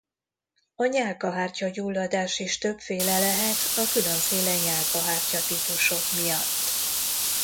A nyálkahártya-gyulladás is többféle lehet a különféle nyálkahártya-típusok miatt.